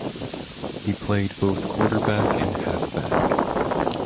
He played both quarterback and halfback.